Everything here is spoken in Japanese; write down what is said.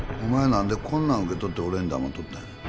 何でこんなん受け取って俺に黙っとったんや？